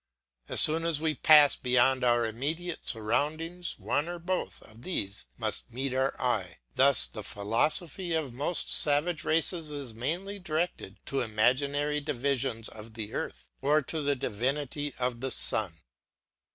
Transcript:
As soon as we pass beyond our immediate surroundings, one or both of these must meet our eye. Thus the philosophy of most savage races is mainly directed to imaginary divisions of the earth or to the divinity of the sun.